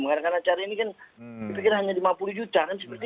mengadakan acara ini kan hanya lima puluh juta